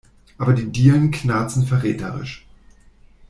Aber die Dielen knarzen verräterisch.